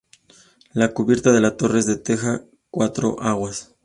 La cubierta de la torre es de teja a cuatro aguas.